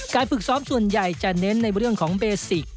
ฝึกซ้อมส่วนใหญ่จะเน้นในเรื่องของเบสิก